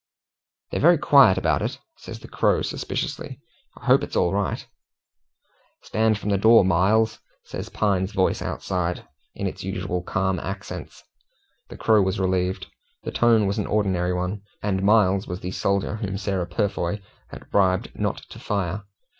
"They're very quiet about it," says the Crow suspiciously. "I hope it's all right." "Stand from the door, Miles," says Pine's voice outside, in its usual calm accents. The Crow was relieved. The tone was an ordinary one, and Miles was the soldier whom Sarah Purfoy had bribed not to fire.